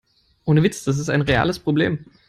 Ohne Witz, das ist ein reales Problem.